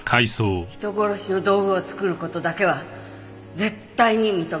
人殺しの道具を作る事だけは絶対に認めない。